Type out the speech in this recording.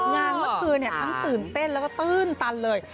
เมื่อคืนทั้งตื่นเต้นแล้วก็ตื้นตันเลย